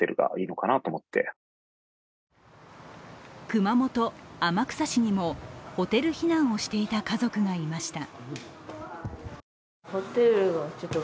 熊本・天草市にもホテル避難をしていた家族がいました。